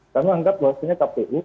kami menganggap bahwasanya kpu